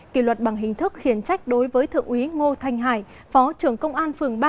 kỷ luật bằng hình thức khiển trách đối với thượng úy ngô thanh hải phó trưởng công an phường ba